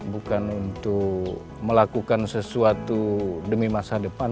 bukan untuk melakukan sesuatu demi masa depan